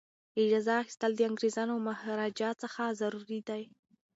اجازه اخیستل د انګریزانو او مهاراجا څخه ضروري دي.